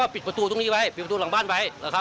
ปิดประตูตรงนี้ไว้ปิดประตูหลังบ้านไว้